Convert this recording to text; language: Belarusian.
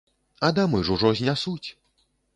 А дамы ж ужо знясуць!